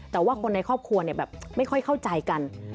แต่ว่าคนในครอบครัวแบบไม่ค่อยเข้าใจกัน